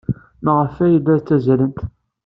Maɣef ay la ttazzalent?